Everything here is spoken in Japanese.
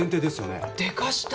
でかした。